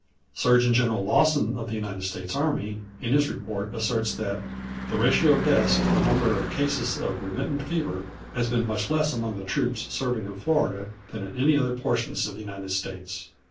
Surgeon Gen. Lawson of the United States army, in his report, asserts that "the ratio of deaths to the number of cases of remittent fevers has been much less among the troops serving in Florida than in other portions of the United States.